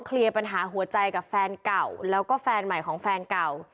เคลียร์ปัญหาหัวใจกับแฟนเก่าแล้วก็แฟนใหม่ของแฟนเก่า